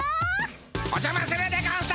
おじゃまするでゴンス！